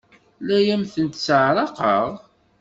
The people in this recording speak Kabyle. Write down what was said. La am-tent-sseɛraqeɣ?